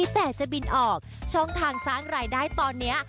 แต่จะบินออกช่องทางสร้างรายได้ตอนนี้